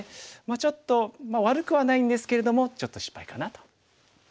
ちょっと悪くはないんですけれどもちょっと失敗かなという感じですかね。